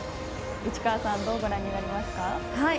市川さん、どうご覧になりますか。